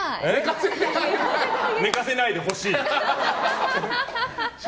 寝かせないでほしい。